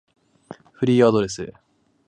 フリーアドレス